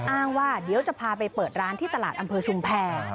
อ้างว่าเดี๋ยวจะพาไปเปิดร้านที่ตลาดอำเภอชุมแพร